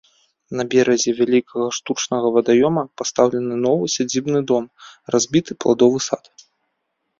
На беразе вялікага штучнага вадаёма пастаўлены новы сядзібны дом, разбіты пладовы сад.